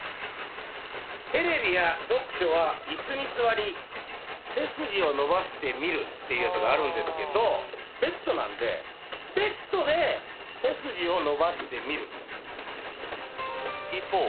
「テレビや読書は椅子に座り背筋を伸ばして見る」っていうやつがあるんですけどベッドなんでベッドで背筋を伸ばして見る一方